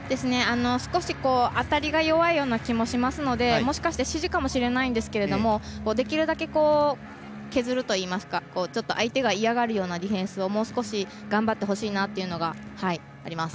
少し辺りが弱いような気がするのでもしかして指示かもしれないんですけどできるだけ、削るといいますか相手が嫌がるようなディフェンスをもう少し頑張ってほしいなというのがあります。